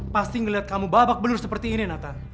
pasti ngeliat kamu babak belur seperti ini nata